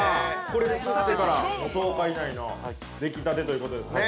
これ作ってから、１０日以内のできたてということですね。